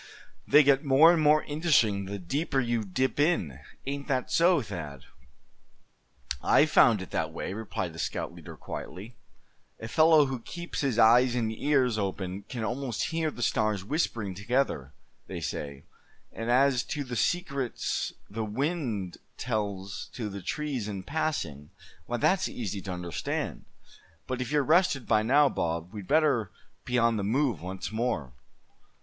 They get more and more interesting the deeper you dip in; ain't that so, Thad?" "I've found it that way," replied the scout leader, quietly. "A fellow who keeps his eyes and ears open can almost hear the stars whispering together, they say; and as to the secrets the wind tells to the trees in passing, why that's easy to understand. But if you're rested by now, Bob, we'd better be on the move once more."